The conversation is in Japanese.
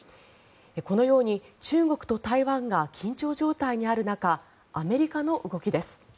このように中国と台湾が緊張状態にある中アメリカの動きです。